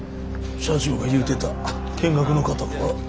社長が言うてた見学の方か？